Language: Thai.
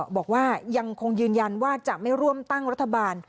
บอกว่ายังคงยืนยันว่าจะไม่ร่วมตั้งรัฐบาล